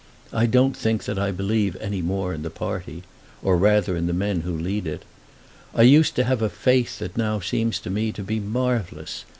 I don't think that I believe any more in the party; or rather in the men who lead it. I used to have a faith that now seems to me to be marvellous.